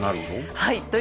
はい。